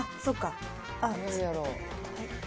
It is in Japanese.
そうか。